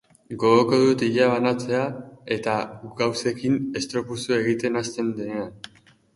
Gogoko dut ilea banatzen eta gauzekin estropezu egiten hasten denean.